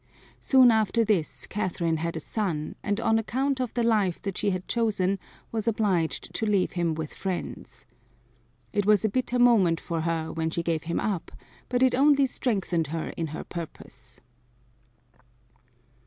Soon after this Catherine had a son, and on account of the life that she had chosen was obliged to leave him with friends. It was a bitter moment for her when she gave him up, but it only strengthened her in her purpose.